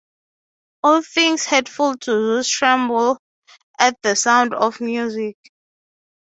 All things hateful to Zeus tremble at the sound of music.